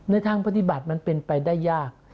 ทางปฏิบัติมันเป็นไปได้ยาก